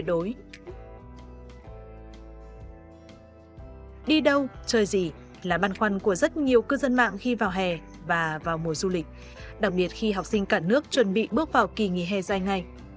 đi đâu chơi gì là băn khoăn của rất nhiều cư dân mạng khi vào hè và vào mùa du lịch đặc biệt khi học sinh cả nước chuẩn bị bước vào kỳ nghỉ hè dài ngay